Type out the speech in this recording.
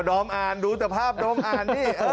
โดรมอ่านดูเท่าภาพโดรมอ่าน